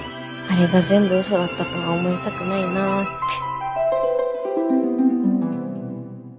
あれが全部嘘だったとは思いたくないなぁって。